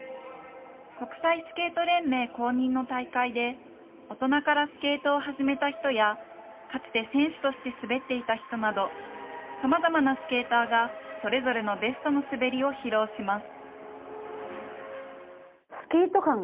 国際スケート連盟公認の大会で、大人からスケートを始めた人や、かつて選手として滑っていた人など、さまざまなスケーターがそれぞれのベストの滑りを披露します。